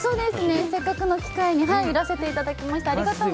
せっかくの機会にやらせていただきました。